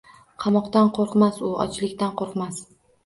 Qamoqdan qoʻrqmas u. Ochlikdan qoʻrqmas.